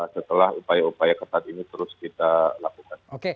setelah upaya upaya ketat ini terus kita lakukan